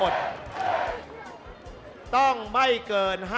เร็วเร็ว